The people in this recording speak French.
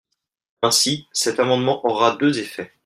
Ainsi, cet amendement aura deux effets.